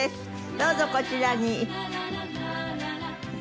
どうぞこちらに。